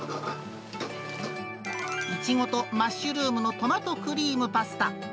いちごとマッシュルームのトマトクリームパスタ。